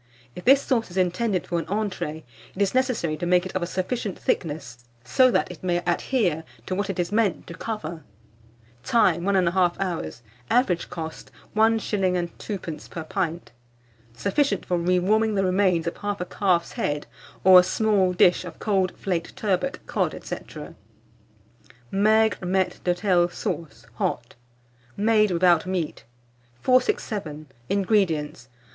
If this sauce is intended for an entrée, it is necessary to make it of a sufficient thickness, so that it may adhere to what it is meant to cover. Time. 1 1/2 hour. Average cost, 1s. 2d. per pint. Sufficient for re warming the remains of 1/2 calf's head, or a small dish of cold flaked turbot, cod, &c. MAIGRE MAITRE D'HOTEL SAUCE (HOT). (Made without Meat.) 467. INGREDIENTS.